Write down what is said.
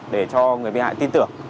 để cho người bị hại tin tưởng